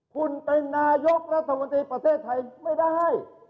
คุณเป็นนายกรัฐมนตรีประเทศไทยไม่ได้